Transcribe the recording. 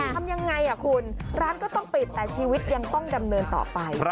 ทำยังไงคุณร้านก็ต้องปิดแต่ชีวิตยังต้องดำเนินต่อไป